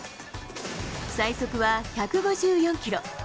最速は１５４キロ。